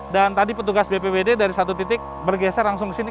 dan tadi petugas bpbd dari satu titik bergeser langsung kesini